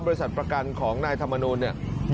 บริษัทประกันของนายธรรมนูลเนี่ย